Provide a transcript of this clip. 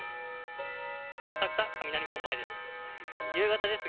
浅草・雷門前です。